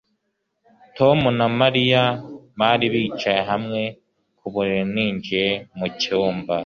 tom na mariya bari bicaye hamwe ku buriri ninjiye mu cyumba